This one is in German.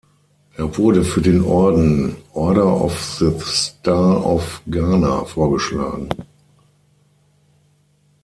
Er wurde für den Orden "Order of the Star of Ghana" vorgeschlagen.